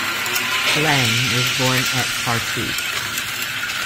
Lang was born at Tartu.